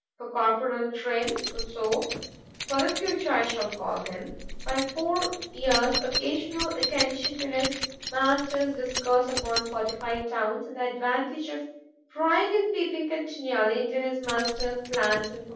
——For Corporal Trim, (for so, for the future, I shall call him) by four years occasional attention to his Master's discourse upon fortified towns, and the advantage of prying and peeping continually into his Master's plans, &c.